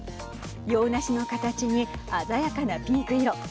洋梨の形に鮮やかなピンク色。